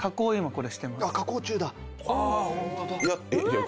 これ。